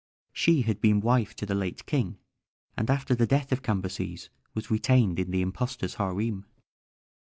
She had been wife to the late king, and after the death of Cambyses was retained in the impostor's harem.